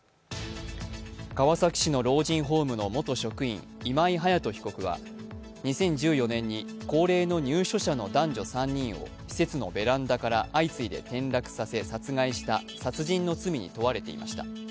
川崎市の老人ホームの元職員、今井隼人被告は、２０１４年に高齢の入所者の男女３人を施設のベランダから相次いで転落させ殺害した殺人の罪に問われていました。